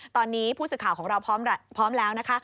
ตอนนี้ผู้สื่อข่าวของเราพร้อมแล้วนะคะ